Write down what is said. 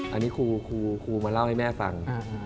อันนี้ครูมาเล่าให้แม่ฟัง